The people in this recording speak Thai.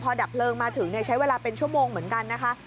พอดับเพลิงมาถึงใช้เวลาเป็นชั่วโมงเหมือนกันนะคะ